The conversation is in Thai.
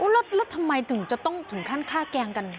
แล้วทำไมถึงจะต้องถึงขั้นฆ่าแกล้งกัน